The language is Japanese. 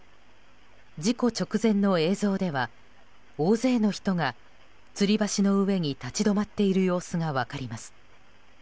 事故直前の映像では、大勢の人がつり橋の上に立ち止まっている様子が分かります。